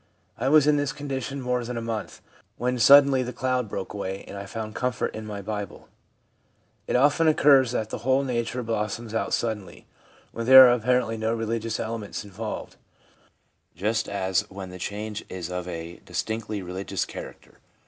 I was in this condition more than a month, when suddenly CONVERSION AS A NORMAL EXPERIENCE 139 the cloud broke away, and I found comfort in my Bible/ It often occurs that the whole nature blossoms out suddenly, when there are apparently no religious ele ments involved, just as when the change is of a distinctly religious character.